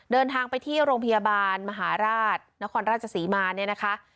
เดินทางไปที่โรงพยาบาลมหาราชนครราชศรีมาเนี่ยนะคะ